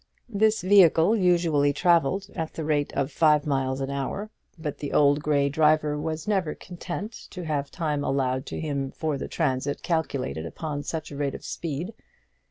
This vehicle usually travelled at the rate of five miles an hour; but the old grey driver was never content to have time allowed to him for the transit calculated upon such a rate of speed.